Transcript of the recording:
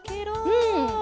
うん。